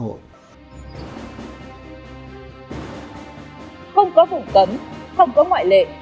không có vụ cấm không có ngoại lệ